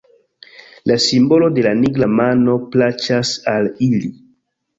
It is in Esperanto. La simbolo de la nigra mano plaĉas al ili.